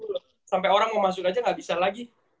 sampai orang mau masuk aja nggak bisa lagi